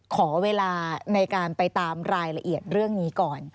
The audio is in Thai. ขอเวลาในการไปตามรายละเอียดเรื่องนี้ก่อน